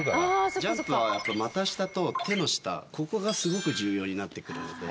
ジャンプは股下と手の下、ここがすごく重要になってくるので。